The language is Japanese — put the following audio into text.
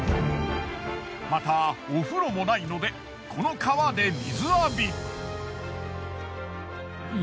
またお風呂もないのでこの川で水浴び。